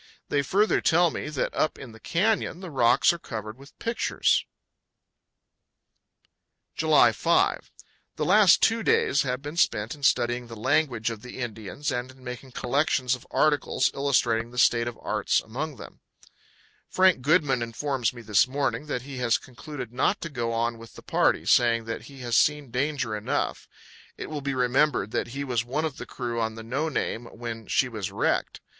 They further tell me that up in the canyon the rocks are covered with pictures. July 5. The last two days have been spent in studying the language 186 powell canyons 126.jpg HOUSE BUILDING AT ORAIBI. PROM ECHO PARK TO THE MOUTH OF UINTA RIVER. 187 of the Indians and in making collections of articles illustrating the state of arts among them. Frank Goodman informs me this morning that he has concluded not to go on with the party, saying that he has seen danger enough. It will be remembered that he was one of the crew on the "No Name" when she was wrecked.